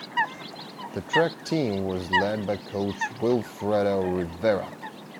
The track team was led by Coach Wilfredo Rivera.